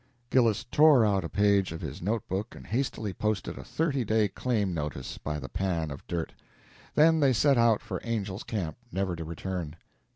Gillis tore out a page of his note book and hastily posted a thirty day claim notice by the pan of dirt. Then they set out for Angel's Camp, never to return.